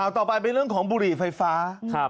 ต่อไปเป็นเรื่องของบุหรี่ไฟฟ้า